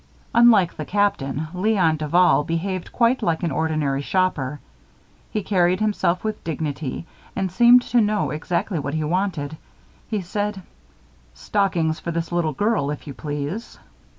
Unlike the Captain, Léon Duval behaved quite like an ordinary shopper. He carried himself with dignity and seemed to know exactly what he wanted. He said: "Stockings for this little girl, if you please."